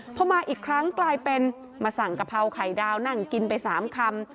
พอมาอีกครั้งกลายเป็นมาสั่งกะเพราไข่ดาวนั่งกินไป๓คำ